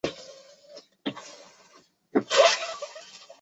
一枝黄花和著名的入侵物种加拿大一枝黄花为同科不同种植物。